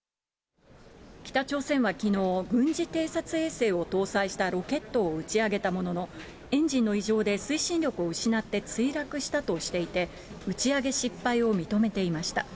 北朝鮮はきのう、軍事偵察衛星を搭載したロケットを打ち上げたものの、エンジンの異常で推進力を失って墜落したとしていて、打ち上げ失敗を認めていました。